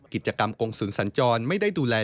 กิจกรรมกงศูนย์สัญจรไม่ได้ดูแล